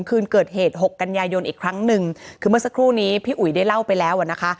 คืนเกิดเหตุหกกันยายนอีกครั้งหนึ่งคือเมื่อสักครู่นี้พี่อุ๋ยได้เล่าไปแล้วอ่ะนะคะ